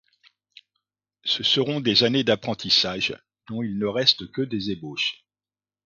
Ce seront des années d'apprentissage, dont il ne reste que des ébauches.